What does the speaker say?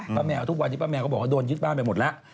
แมวทุกวันที่ป้าแมวก็บอกว่าโดนยึดบ้านไปหมดแล้ว